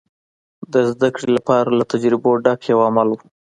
د زدهکړې لپاره له تجربو ډک یو عمل و.